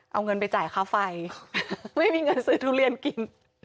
เอาเงินไปจ่ายค่าไฟไม่มีเงินซื้อทุเรียนกิน